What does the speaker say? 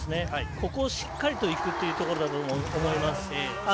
ここをしっかりといくというところだと思います。